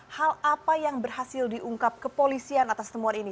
hal apa yang berhasil diungkap kepolisian atas temuan ini